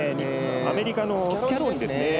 アメリカのスキャローニですね。